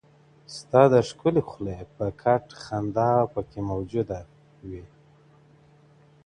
ستا د ښكلي خولې په كټ خندا پكـي موجـــوده وي.